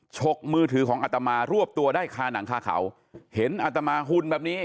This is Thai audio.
กมือถือของอัตมารวบตัวได้คาหนังคาเขาเห็นอัตมาหุ่นแบบนี้